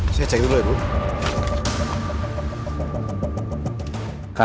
banyak sekali mantannya randy ya